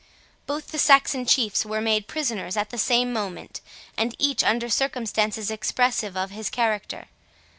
Both the Saxon chiefs were made prisoners at the same moment, and each under circumstances expressive of his character.